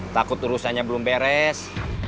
takut urusannya belum beres